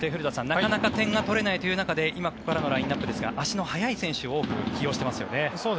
なかなか点が取れないという中で今、ここからのラインアップですが足の速い選手を多く起用していますよね。